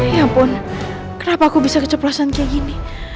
ya ampun kenapa aku bisa keceplosan kayak gini